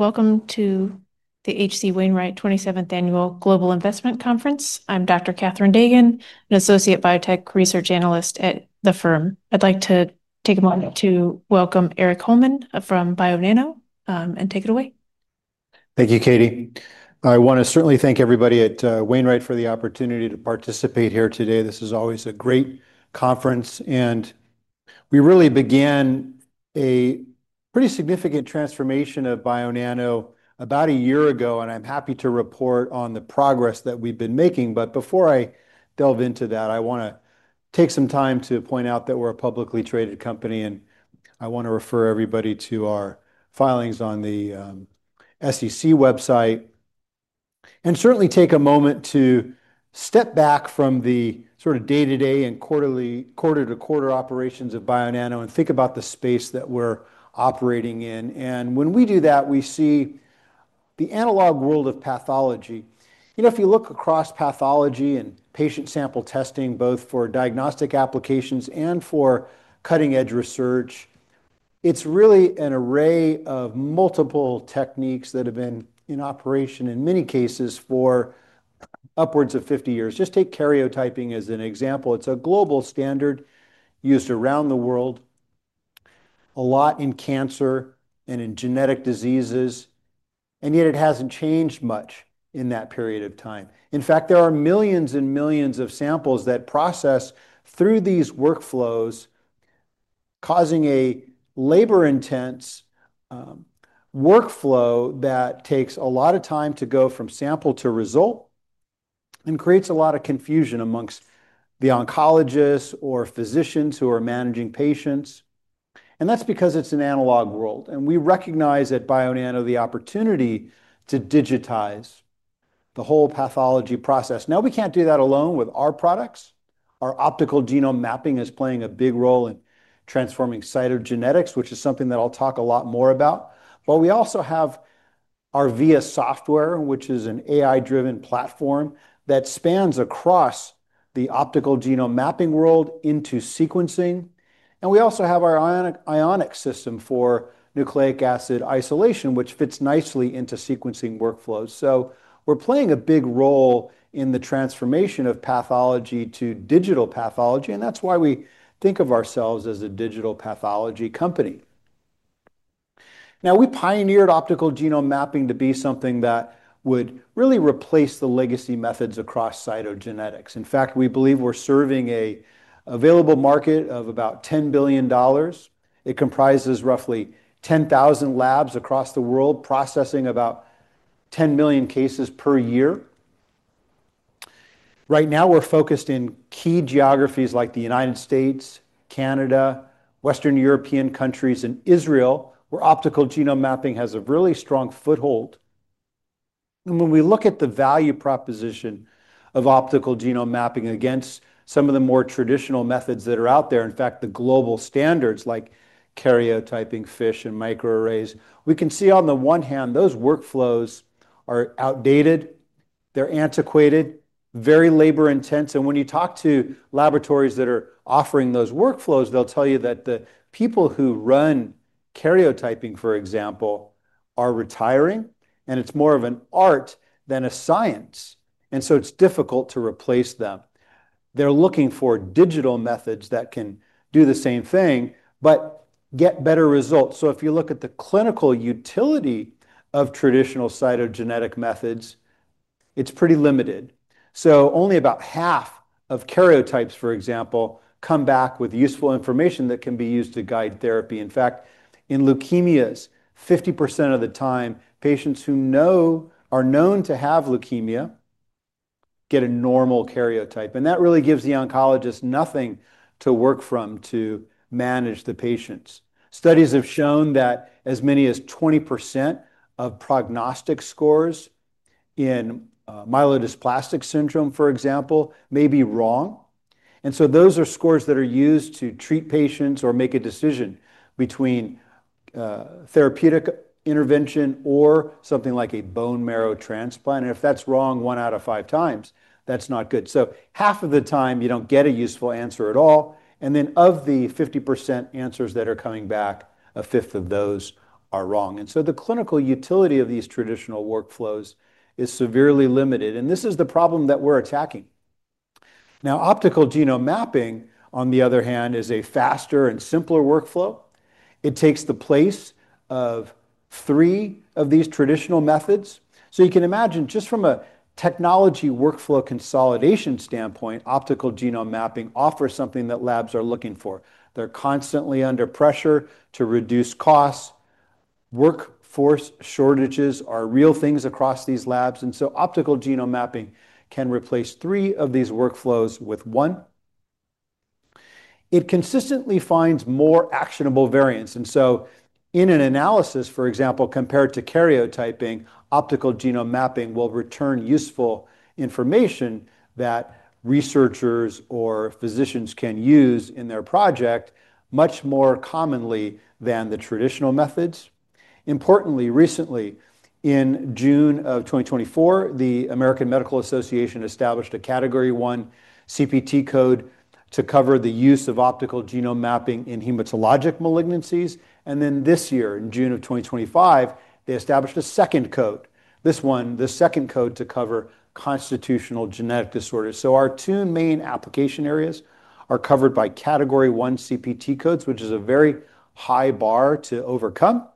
Welcome to the HC Wainwright 27th Annual Global Investment Conference. I'm Dr. Katherine Dagan, an Associate Biotech Research Analyst at the firm. I'd like to take a moment to welcome Erik Holmlin from Bionano Genomics and take it away. Thank you, Katie. I want to certainly thank everybody at Wainwright for the opportunity to participate here today. This is always a great conference, and we really began a pretty significant transformation of Bionano Genomics about a year ago, and I'm happy to report on the progress that we've been making. Before I delve into that, I want to take some time to point out that we're a publicly traded company, and I want to refer everybody to our filings on the SEC website and certainly take a moment to step back from the sort of day-to-day and quarter-to-quarter operations of Bionano Genomics and think about the space that we're operating in. When we do that, we see the analog world of pathology. You know, if you look across pathology and patient sample testing, both for diagnostic applications and for cutting-edge research, it's really an array of multiple techniques that have been in operation in many cases for upwards of 50 years. Just take karyotyping as an example. It's a global standard used around the world, a lot in cancer and in genetic diseases, and yet it hasn't changed much in that period of time. In fact, there are millions and millions of samples that process through these workflows, causing a labor-intense workflow that takes a lot of time to go from sample to result and creates a lot of confusion amongst the oncologists or physicians who are managing patients. That's because it's an analog world, and we recognize at Bionano Genomics the opportunity to digitize the whole pathology process. Now, we can't do that alone with our products. Our optical genome mapping is playing a big role in transforming cytogenetics, which is something that I'll talk a lot more about. We also have our VIA software, which is an AI-driven platform that spans across the optical genome mapping world into sequencing. We also have our Ionic Purification System for nucleic acid isolation, which fits nicely into sequencing workflows. We're playing a big role in the transformation of pathology to digital pathology, and that's why we think of ourselves as a digital pathology company. We pioneered optical genome mapping to be something that would really replace the legacy methods across cytogenetics. In fact, we believe we're serving an available market of about $10 billion. It comprises roughly 10,000 labs across the world, processing about 10 million cases per year. Right now, we're focused in key geographies like the United States, Canada, Western Europe, and Israel, where optical genome mapping has a really strong foothold. When we look at the value proposition of optical genome mapping against some of the more traditional methods that are out there, in fact, the global standards like karyotyping, FISH, and microarrays, we can see on the one hand, those workflows are outdated. They're antiquated, very labor-intense. When you talk to laboratories that are offering those workflows, they'll tell you that the people who run karyotyping, for example, are retiring, and it's more of an art than a science. It's difficult to replace them. They're looking for digital methods that can do the same thing but get better results. If you look at the clinical utility of traditional cytogenetic methods, it's pretty limited. Only about half of karyotypes, for example, come back with useful information that can be used to guide therapy. In fact, in leukemias, 50% of the time, patients who are known to have leukemia get a normal karyotype, and that really gives the oncologists nothing to work from to manage the patients. Studies have shown that as many as 20% of prognostic scores in myelodysplastic syndrome, for example, may be wrong. Those are scores that are used to treat patients or make a decision between therapeutic intervention or something like a bone marrow transplant. If that's wrong one out of five times, that's not good. Half of the time, you don't get a useful answer at all. Of the 50% answers that are coming back, a fifth of those are wrong. The clinical utility of these traditional workflows is severely limited, and this is the problem that we're attacking. Now, optical genome mapping, on the other hand, is a faster and simpler workflow. It takes the place of three of these traditional methods. You can imagine, just from a technology workflow consolidation standpoint, optical genome mapping offers something that labs are looking for. They're constantly under pressure to reduce costs. Workforce shortages are real things across these labs. Optical genome mapping can replace three of these workflows with one. It consistently finds more actionable variants. In an analysis, for example, compared to karyotyping, optical genome mapping will return useful information that researchers or physicians can use in their project much more commonly than the traditional methods. Importantly, recently, in June of 2024, the American Medical Association established a Category 1 CPT code to cover the use of optical genome mapping in hematologic malignancies. This year, in June of 2025, they established a second code, this one, the second code to cover constitutional genetic disorders. Our two main application areas are covered by Category 1 CPT codes, which is a very high bar to overcome.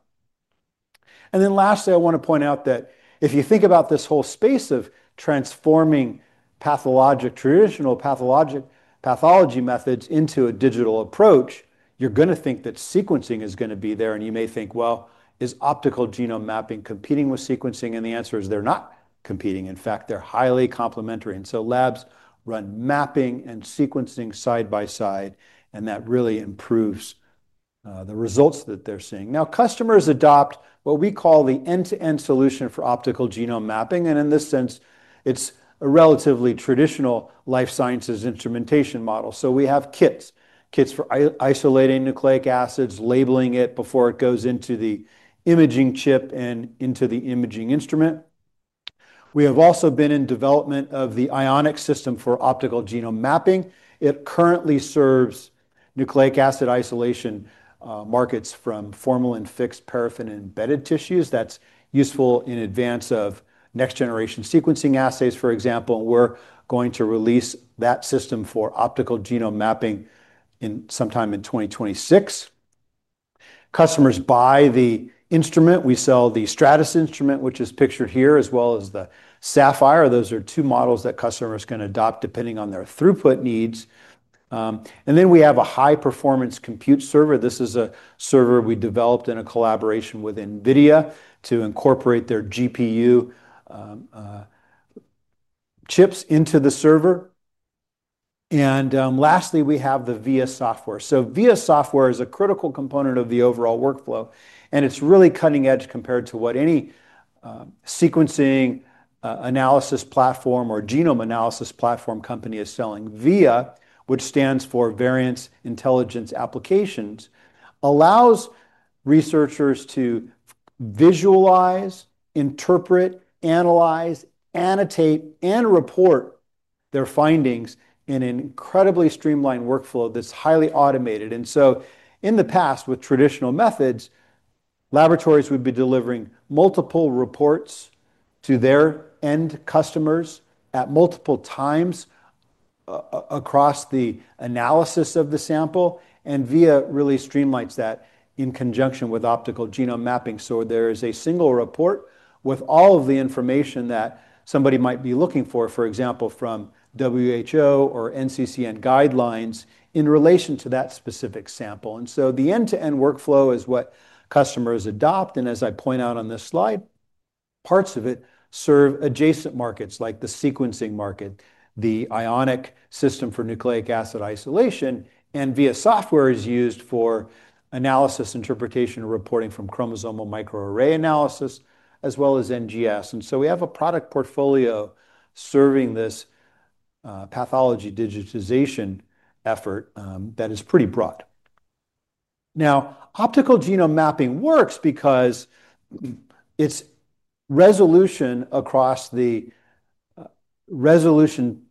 Lastly, I want to point out that if you think about this whole space of transforming traditional pathology methods into a digital approach, you're going to think that sequencing is going to be there. You may think, is optical genome mapping competing with sequencing? The answer is they're not competing. In fact, they're highly complementary. Labs run mapping and sequencing side by side, and that really improves the results that they're seeing. Customers adopt what we call the end-to-end solution for optical genome mapping. In this sense, it's a relatively traditional life sciences instrumentation model. We have kits, kits for isolating nucleic acids, labeling it before it goes into the imaging chip and into the imaging instrument. We have also been in development of the Ionic Purification System for optical genome mapping. It currently serves nucleic acid isolation markets from formalin-fixed paraffin embedded tissues. That's useful in advance of next-generation sequencing assays, for example. We're going to release that system for optical genome mapping sometime in 2026. Customers buy the instrument. We sell the Stratus instrument, which is pictured here, as well as the Saphyr. Those are two models that customers can adopt depending on their throughput needs. We have a high-performance compute server. This is a server we developed in a collaboration with NVIDIA to incorporate their GPU chips into the server. Lastly, we have the VIA software. VIA software is a critical component of the overall workflow, and it's really cutting-edge compared to what any sequencing analysis platform or genome analysis platform company is selling. VIA, which stands for Variance Intelligence Applications, allows researchers to visualize, interpret, analyze, annotate, and report their findings in an incredibly streamlined workflow that's highly automated. In the past, with traditional methods, laboratories would be delivering multiple reports to their end customers at multiple times across the analysis of the sample. VIA really streamlines that in conjunction with optical genome mapping. There is a single report with all of the information that somebody might be looking for, for example, from WHO or NCCN guidelines in relation to that specific sample. The end-to-end workflow is what customers adopt. As I point out on this slide, parts of it serve adjacent markets like the sequencing market, the Ionic Purification System for nucleic acid isolation, and VIA software is used for analysis, interpretation, and reporting from chromosomal microarray analysis, as well as NGS. We have a product portfolio serving this pathology digitization effort that is pretty broad. Now, optical genome mapping works because its resolution across the resolution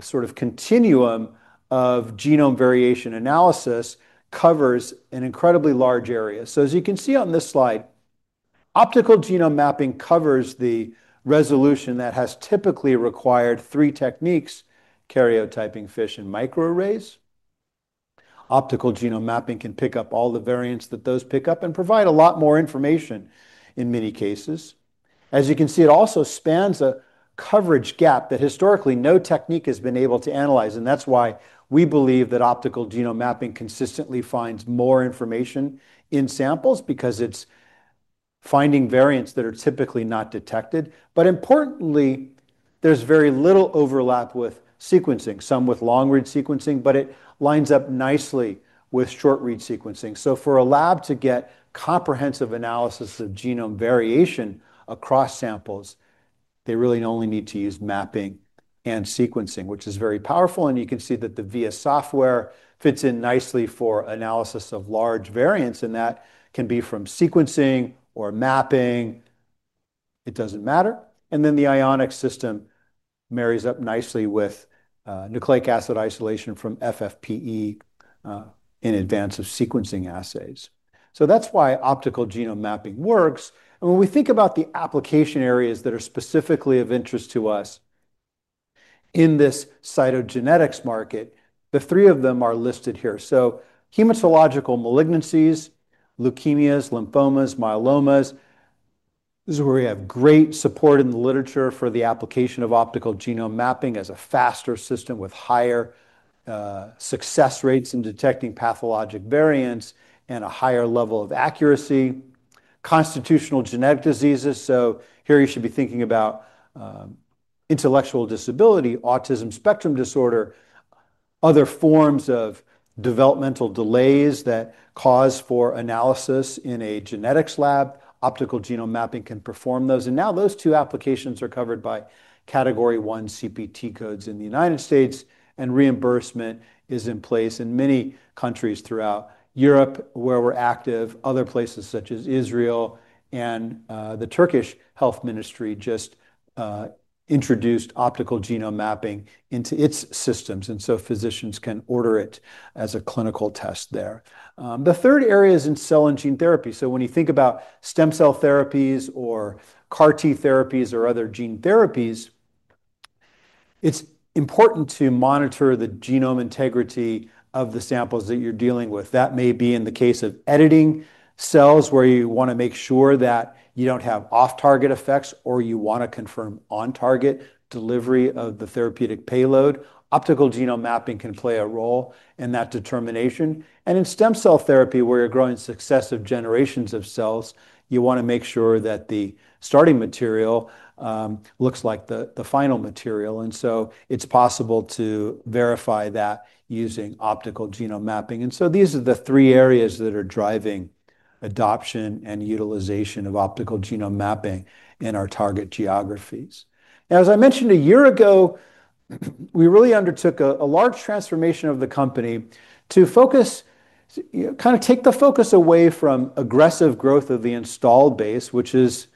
sort of continuum of genome variation analysis covers an incredibly large area. As you can see on this slide, optical genome mapping covers the resolution that has typically required three techniques: karyotyping, FISH, and microarrays. Optical genome mapping can pick up all the variants that those pick up and provide a lot more information in many cases. As you can see, it also spans a coverage gap that historically no technique has been able to analyze. That is why we believe that optical genome mapping consistently finds more information in samples because it's finding variants that are typically not detected. Importantly, there's very little overlap with sequencing, some with long-read sequencing, but it lines up nicely with short-read sequencing. For a lab to get comprehensive analysis of genome variation across samples, they really only need to use mapping and sequencing, which is very powerful. You can see that the VIA software fits in nicely for analysis of large variants, and that can be from sequencing or mapping. It doesn't matter. The Ionic Purification System marries up nicely with nucleic acid isolation from FFPE in advance of sequencing assays. That is why optical genome mapping works. When we think about the application areas that are specifically of interest to us in this cytogenetics market, the three of them are listed here. Hematologic malignancies, leukemias, lymphomas, myelomas. This is where we have great support in the literature for the application of optical genome mapping as a faster system with higher success rates in detecting pathologic variants and a higher level of accuracy. Constitutional genetic diseases. Here you should be thinking about intellectual disability, autism spectrum disorder, other forms of developmental delays that cause for analysis in a genetics lab. Optical genome mapping can perform those. Now those two applications are covered by Category 1 CPT codes in the United States, and reimbursement is in place in many countries throughout Europe where we're active. Other places such as Israel and the Turkish Health Ministry just introduced optical genome mapping into its systems, and physicians can order it as a clinical test there. The third area is in cell and gene therapy. When you think about stem cell therapies or CAR-T therapies or other gene therapies, it's important to monitor the genome integrity of the samples that you're dealing with. That may be in the case of editing cells where you want to make sure that you don't have off-target effects or you want to confirm on-target delivery of the therapeutic payload. Optical genome mapping can play a role in that determination. In stem cell therapy, where you're growing successive generations of cells, you want to make sure that the starting material looks like the final material. It's possible to verify that using optical genome mapping. These are the three areas that are driving adoption and utilization of optical genome mapping in our target geographies. As I mentioned a year ago, we really undertook a large transformation of the company to take the focus away from aggressive growth of the installed base, which is,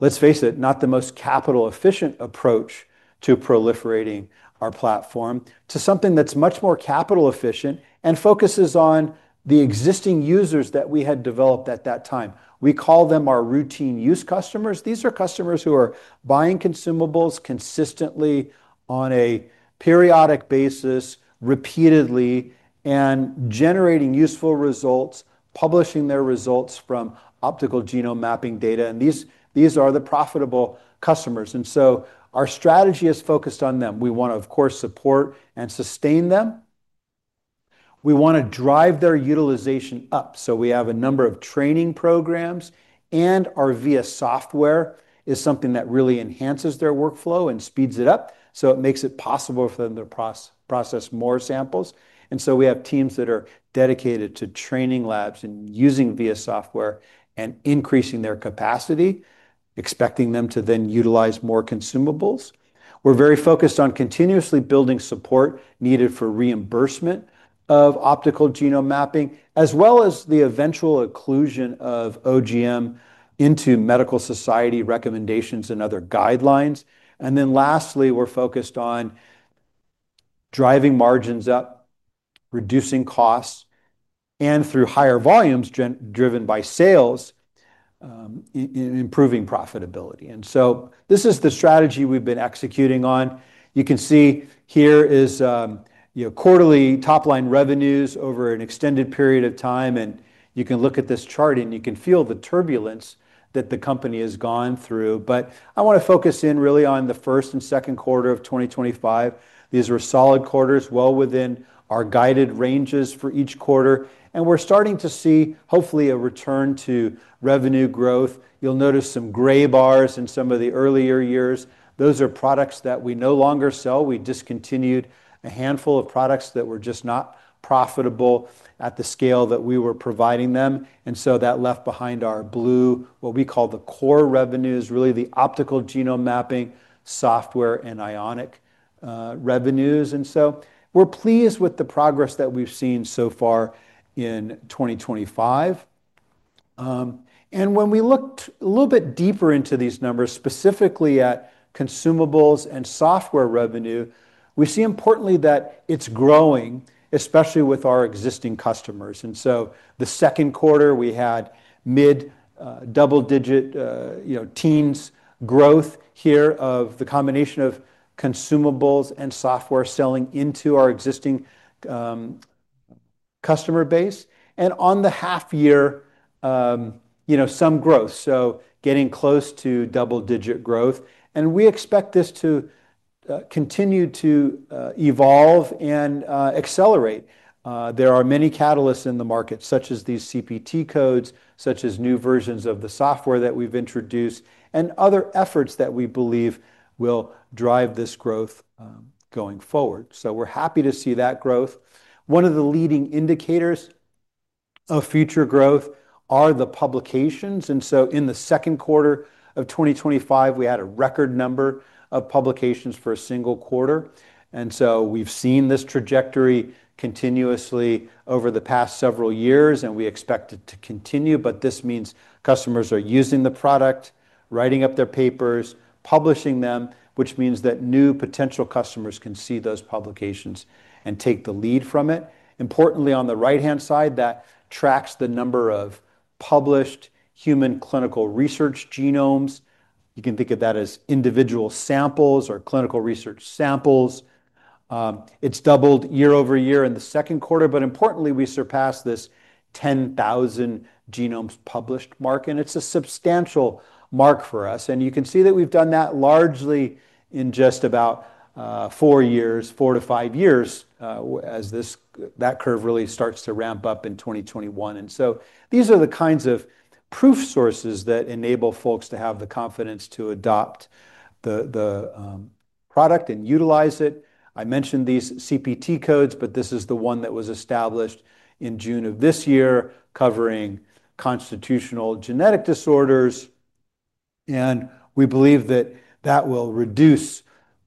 let's face it, not the most capital-efficient approach to proliferating our platform, to something that's much more capital-efficient and focuses on the existing users that we had developed at that time. We call them our routine use customers. These are customers who are buying consumables consistently on a periodic basis, repeatedly, and generating useful results, publishing their results from optical genome mapping data. These are the profitable customers. Our strategy is focused on them. We want to, of course, support and sustain them. We want to drive their utilization up. We have a number of training programs, and our VIA software is something that really enhances their workflow and speeds it up. It makes it possible for them to process more samples. We have teams that are dedicated to training labs and using VIA software and increasing their capacity, expecting them to then utilize more consumables. We're very focused on continuously building support needed for reimbursement of optical genome mapping, as well as the eventual inclusion of OGM into medical society recommendations and other guidelines. Lastly, we're focused on driving margins up, reducing costs, and through higher volumes driven by sales, improving profitability. This is the strategy we've been executing on. You can see here is quarterly top-line revenues over an extended period of time. You can look at this chart, and you can feel the turbulence that the company has gone through. I want to focus in really on the first and second quarter of 2025. These were solid quarters, well within our guided ranges for each quarter. We're starting to see hopefully a return to revenue growth. You'll notice some gray bars in some of the earlier years. Those are products that we no longer sell. We discontinued a handful of products that were just not profitable at the scale that we were providing them. That left behind our blue, what we call the core revenues, really the optical genome mapping software and ionic revenues. We're pleased with the progress that we've seen so far in 2025. When we looked a little bit deeper into these numbers, specifically at consumables and software revenue, we see importantly that it's growing, especially with our existing customers. The second quarter, we had mid-double-digit teens growth here of the combination of consumables and software selling into our existing customer base. On the half-year, you know, some growth. Getting close to double-digit growth. We expect this to continue to evolve and accelerate. There are many catalysts in the market, such as these CPT codes, such as new versions of the software that we've introduced, and other efforts that we believe will drive this growth going forward. We're happy to see that growth. One of the leading indicators of future growth are the publications. In the second quarter of 2025, we had a record number of publications for a single quarter. We have seen this trajectory continuously over the past several years, and we expect it to continue. This means customers are using the product, writing up their papers, publishing them, which means that new potential customers can see those publications and take the lead from it. Importantly, on the right-hand side, that tracks the number of published human clinical research genomes. You can think of that as individual samples or clinical research samples. It has doubled year over year in the second quarter. Importantly, we surpassed this 10,000 genomes published mark, and it's a substantial mark for us. You can see that we've done that largely in just about four years, four to five years, as that curve really starts to ramp up in 2021. These are the kinds of proof sources that enable folks to have the confidence to adopt the product and utilize it. I mentioned these Category 1 CPT codes, but this is the one that was established in June of this year, covering constitutional genetic disorders. We believe that will reduce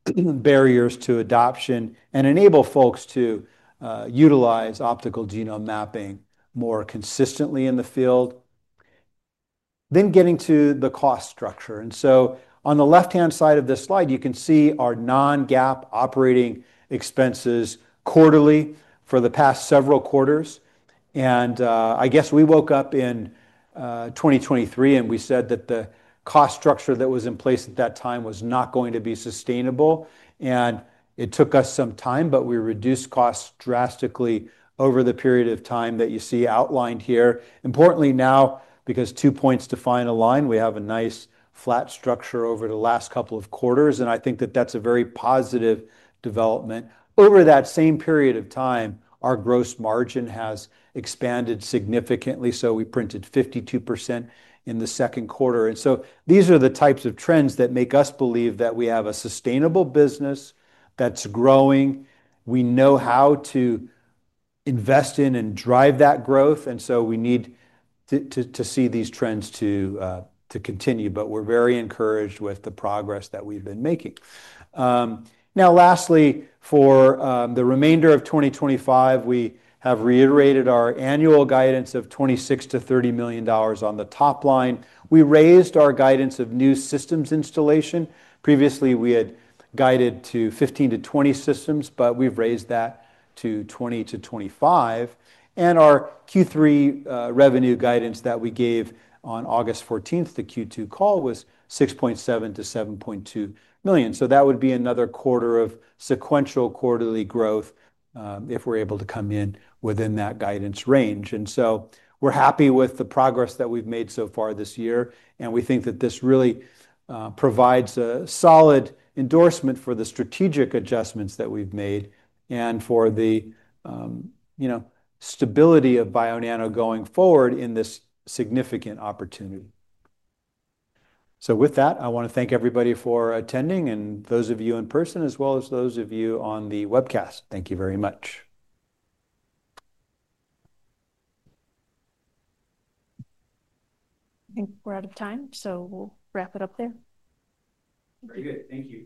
barriers to adoption and enable folks to utilize optical genome mapping more consistently in the field. Regarding the cost structure, on the left-hand side of this slide, you can see our non-GAAP operating expenses quarterly for the past several quarters. We woke up in 2023 and said that the cost structure that was in place at that time was not going to be sustainable. It took us some time, but we reduced costs drastically over the period of time that you see outlined here. Importantly now, because two points define a line, we have a nice flat structure over the last couple of quarters. I think that is a very positive development. Over that same period of time, our gross margin has expanded significantly. We printed 52% in the second quarter. These are the types of trends that make us believe that we have a sustainable business that's growing. We know how to invest in and drive that growth. We need to see these trends continue. We are very encouraged with the progress that we've been making. Lastly, for the remainder of 2025, we have reiterated our annual guidance of $26 million to $30 million on the top line. We raised our guidance of new systems installation. Previously, we had guided to 15 to 20 systems, but we've raised that to 20 to 25. Our Q3 revenue guidance that we gave on August 14th, the Q2 call, was $6.7 to $7.2 million. That would be another quarter of sequential quarterly growth if we're able to come in within that guidance range. We're happy with the progress that we've made so far this year, and we think that this really provides a solid endorsement for the strategic adjustments that we've made and for the stability of Bionano Genomics going forward in this significant opportunity. I want to thank everybody for attending, those of you in person, as well as those of you on the webcast. Thank you very much. I think we're out of time, so we'll wrap it up there. Okay, thank you.